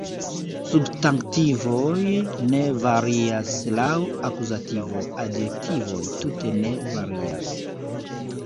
Substantivoj ne varias laŭ akuzativo, adjektivoj tute ne varias.